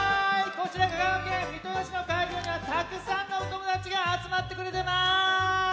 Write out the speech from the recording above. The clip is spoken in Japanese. こちら香川県三豊市のかいじょうにはたくさんのおともだちがあつまってくれてます！